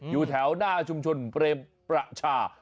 อยู่แถวหน้าชุมชนเปรมประชา